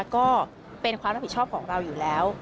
ก็เป็นความรับผิดชอบของเราอยู่แล้ว